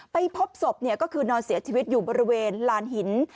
พบศพก็คือนอนเสียชีวิตอยู่บริเวณลานหิน